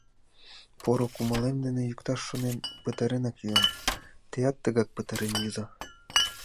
Поро кумылем дене йӱкташ шонен, пытаренак йӱым, теат тыгак пытарен йӱза.